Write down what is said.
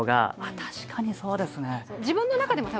確かにそうですね。